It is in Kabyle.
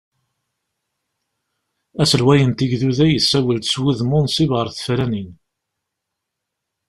Aselway n tigduda yessawel-d s wudem unṣib ɣer tefranin.